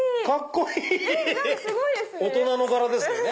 大人の柄ですよね。